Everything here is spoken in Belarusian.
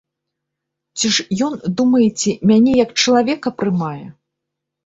Ці ж ён, думаеце, мяне як чалавека прымае?